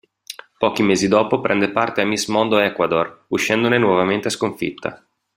Pochi mesi dopo prende parte a Miss Mondo Ecuador, uscendone nuovamente sconfitta.